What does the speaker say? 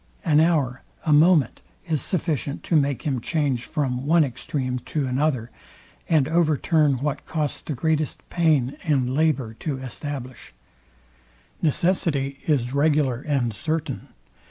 An hour, a moment is sufficient to make him change from one extreme to another, and overturn what cost the greatest pain and labour to establish. Necessity is regular and certain.